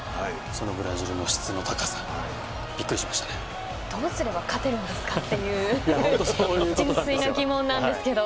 そのブラジルの質の高さどうすれば勝てるんですかという純粋な疑問なんですけど。